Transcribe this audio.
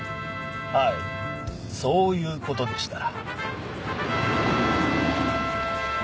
はいそういうことでしたら。